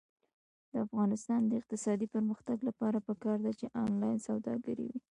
د افغانستان د اقتصادي پرمختګ لپاره پکار ده چې آنلاین سوداګري وي.